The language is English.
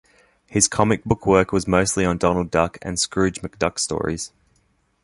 His comic book work was mostly on Donald Duck and Scrooge McDuck stories.